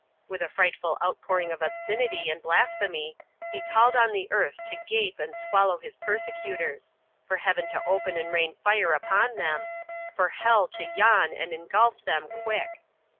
With a frightful outpouring of obscenity and blasphemy, he called on the earth to gape and swallow his persecutors, for Heaven to open and rain fire upon them, for hell to yawn and engulf them quick.